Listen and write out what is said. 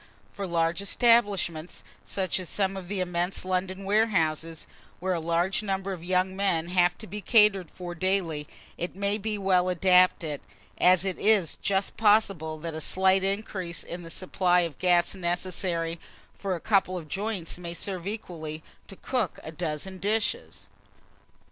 For large establishments, such as some of the immense London warehouses, where a large number of young men have to be catered for daily, it may be well adapted, as it is just possible that a slight increase in the supply of gas necessary for a couple of joints, may serve equally to cook a dozen dishes.